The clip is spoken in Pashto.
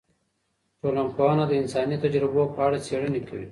ټولنپوهنه د انساني تجربو په اړه څیړنې کوي.